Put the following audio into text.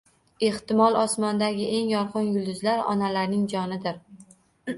Ehtimol, osmondagi eng yorqin yulduzlar onalarning jonidir.